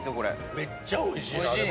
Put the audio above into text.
めっちゃおいしいな。